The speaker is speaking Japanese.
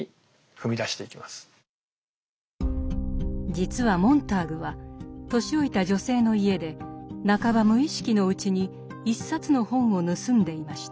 実はモンターグは年老いた女性の家で半ば無意識のうちに一冊の本を盗んでいました。